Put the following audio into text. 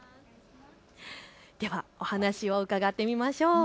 ではお話を伺ってみましょう。